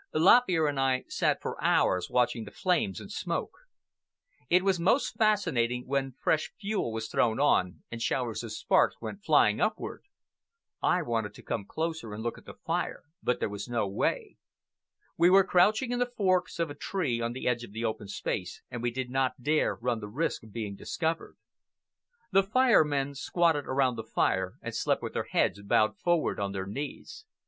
Lop Ear and I sat for hours, watching the flames and smoke. It was most fascinating when fresh fuel was thrown on and showers of sparks went flying upward. I wanted to come closer and look at the fire, but there was no way. We were crouching in the forks of a tree on the edge of the open space, and we did not dare run the risk of being discovered. The Fire Men squatted around the fire and slept with their heads bowed forward on their knees.